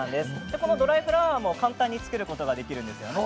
このドライフラワーも簡単に作ることがそうですね。